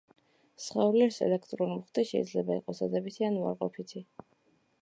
სხეულის ელექტრული მუხტი შეიძლება იყოს დადებითი ან უარყოფითი.